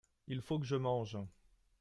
Il faut que je mange.